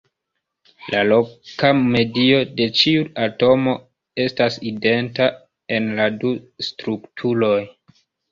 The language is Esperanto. La loka medio de ĉiu atomo estas identa en la du strukturoj.